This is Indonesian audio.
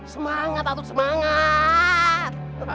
semangat atut semangat